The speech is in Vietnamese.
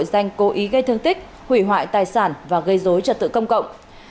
gây thương tích hủy hoại tài sản và gây dối trật tự công cộng